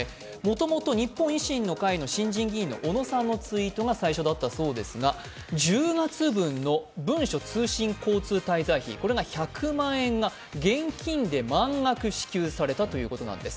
もともと日本維新の会の新人議員の小野さんの発言がきっかけだったのですが、１０月分の文書通信交通滞在費が１００万円が現金で満額支給されたということなんです。